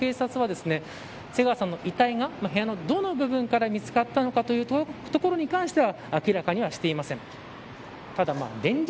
今のところ警察は瀬川さんの遺体が部屋のどの部分から見つかったのかというところに関して明らかにはしていません。